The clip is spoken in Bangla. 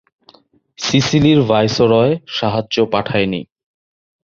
সিসিলির ভাইসরয় সাহায্য পাঠায় নি।